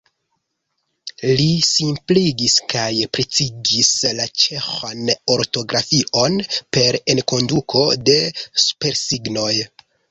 Li simpligis kaj precizigis la ĉeĥan ortografion per enkonduko de supersignoj.